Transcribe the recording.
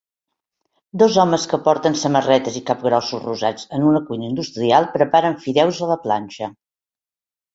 Dos homes que porten samarretes i capgrossos rosats en una cuina industrial preparen fideus a la planxa